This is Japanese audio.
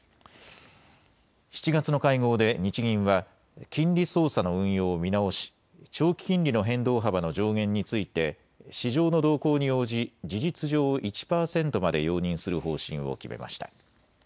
７月の会合で日銀は金利操作の運用を見直し長期金利の変動幅の上限について市場の動向に応じ事実上、１％まで容認する方針を決めました。